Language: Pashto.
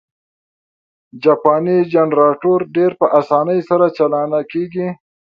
جاپانی جنرټور ډېر په اسانۍ سره چالانه کېږي.